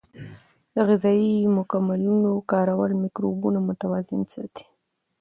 د غذایي مکملونو کارول مایکروبونه متوازن ساتي.